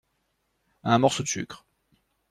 Un morceau de sucre.